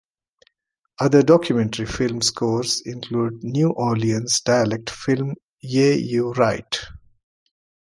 Other documentary film scores include the New Orleans dialect film Yeah You Rite!